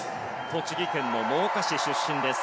栃木県の真岡市出身です。